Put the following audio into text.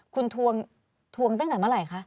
คุณทวงตั้งแต่เมื่อไหร่คะ